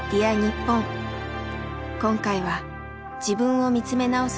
今回は自分を見つめ直す